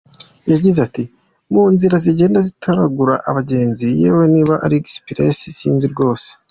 Yagize ati “Mu nzira zigenda zitoragura abagenzi yewe niba ari express sinzi rwose.